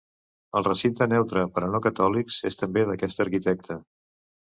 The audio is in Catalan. El recinte neutre per a no catòlics és també d'aquest arquitecte.